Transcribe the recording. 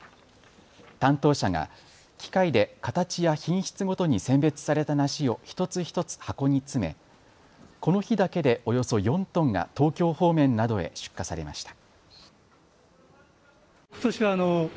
担当者が機械で形や品質ごとに選別された梨を一つ一つ箱に詰めこの日だけでおよそ４トンが東京方面などへ出荷されました。